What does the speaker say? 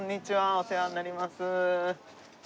お世話になります。